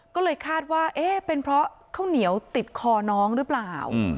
ก็เลยคาดว่าเอ๊ะเป็นเพราะข้าวเหนียวติดคอน้องหรือเปล่า